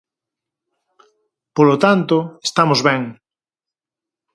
Polo tanto, estamos ben.